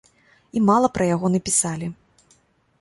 І мала пра яго напісалі.